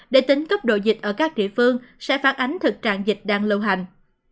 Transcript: để tính cấp độ dịch ở các địa phương sẽ phát ánh thực trạng dịch đang lâu hành